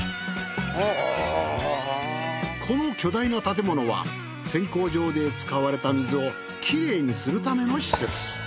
この巨大な建物は選鉱場で使われた水をきれいにするための施設。